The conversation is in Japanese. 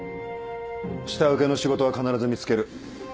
下請けの仕事は必ず見つける。